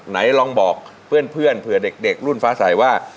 ไหนลองบอกเพื่อนเผื่อเด็กรุ่นฟ้าใสว่า